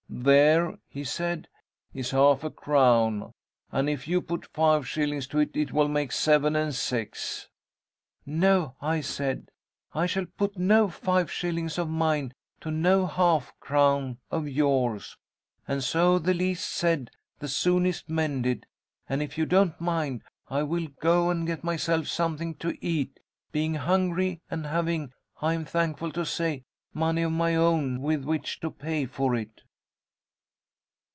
'There,' he said, 'is half a crown; and if you put five shillings to it, it will make it seven and six!' 'No!' I said, 'I shall put no five shillings of mine to no half crown of yours, and so the least said the soonest mended. And, if you don't mind, I will go and get myself something to eat, being hungry, and having, I am thankful to say, money of my own with which to pay for it.'